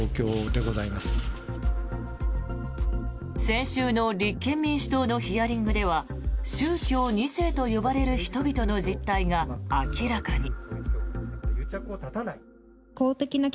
先週の立憲民主党のヒアリングでは宗教２世と呼ばれる人々の実態が明らかに。